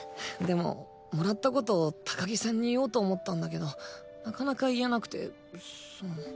でももらったこと高木さんに言おうと思ったんだけどなかなか言えなくてその。